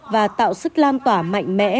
và tạo sức lan tỏa mạnh mẽ